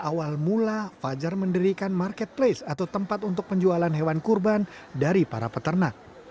awal mula fajar mendirikan marketplace atau tempat untuk penjualan hewan kurban dari para peternak